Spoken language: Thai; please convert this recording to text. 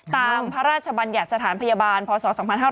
พระราชบัญญัติสถานพยาบาลพศ๒๕๕๙